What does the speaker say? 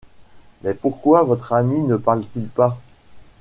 Mais pourquoi votre ami ne parle-t-il pas ?